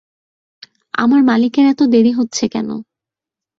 আমার মালিকের এত দেরি হচ্ছে কেন?